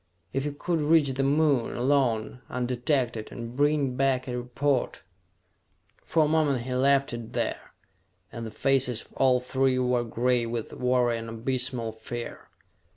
If you could reach the Moon, alone, undetected, and bring back a report...." For a moment he left it there, and the faces of all three were gray with worry and abysmal fear.